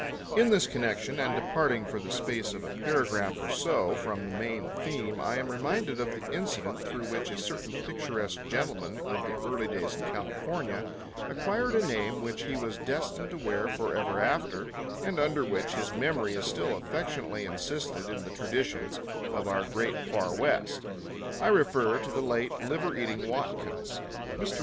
In this connection, and departing for the space of a paragraph or so from the main theme, I am reminded of the incident through which a certain picturesque gentleman of the early days in California acquired a name which he was destined to wear forever after, and under which his memory is still affectionately encysted in the traditions of our great Far West. I refer to the late Liver Eating Watkins. Mr.